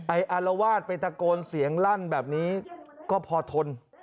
อารวาสไปตะโกนเสียงลั่นแบบนี้ก็พอทน